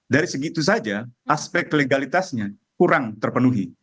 dari segitu saja aspek legalitasnya kurang terpenuhi